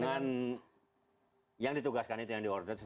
dengan yang ditugaskan itu yang di order